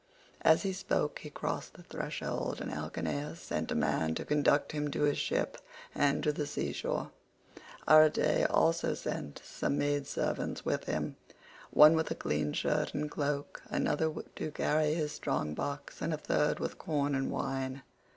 As he spoke he crossed the threshold, and Alcinous sent a man to conduct him to his ship and to the sea shore. Arete also sent some maidservants with him—one with a clean shirt and cloak, another to carry his strong box, and a third with corn and wine.